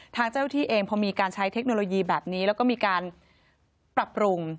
ทางเจ้าที่เองพอมีการใช้เทคโนโลยีแบบนี้แล้วก็มีการปรับปรุง